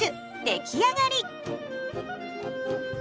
出来上がり。